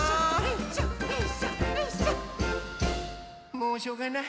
もうしょうがない。